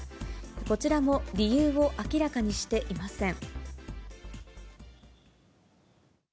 こちらも理由を明らかにしていません。